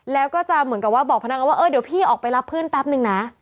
แล้วก็จะเหมือนกับว่าบอกพนักงานว่าเออเดี๋ยวพี่ออกไปรับเพื่อนแป๊บนึงนะ